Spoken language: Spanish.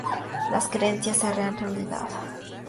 Las creencias se harán realidad".